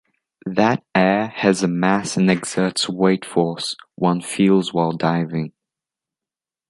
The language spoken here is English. That air has a mass and exerts weight force, one feels while diving.